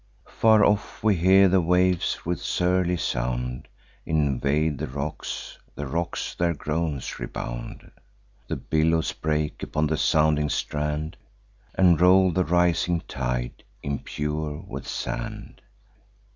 Far off we hear the waves with surly sound Invade the rocks, the rocks their groans rebound. The billows break upon the sounding strand, And roll the rising tide, impure with sand.